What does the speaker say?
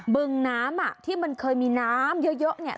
บึงน้ำอ่ะที่มันเคยมีน้ำเยอะเนี่ย